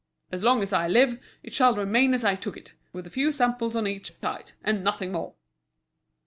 As long as I live, it shall remain as I took it, with a few samples on each side, and nothing more!"